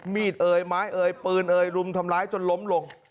มีดเอ่ยไม้เอ่ยปืนเอ่ยรุมทำร้ายจนล้มลง